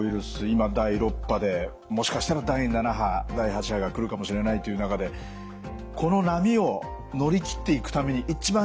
今第６波でもしかしたら第７波第８波が来るかもしれないという中でこの波を乗り切っていくために一番